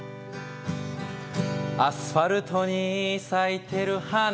アスファルトに咲いてる花。